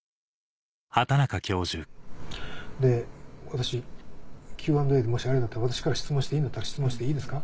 私Ｑ＆Ａでもし私から質問していいんだったら質問していいですか？